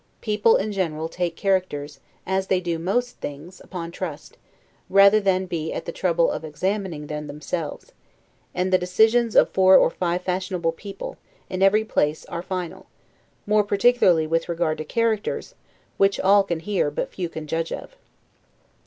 People in general take characters, as they do most things, upon trust, rather than be at the trouble of examining them themselves; and the decisions of four or five fashionable people, in every place, are final, more particularly with regard to characters, which all can hear, and but few judge of.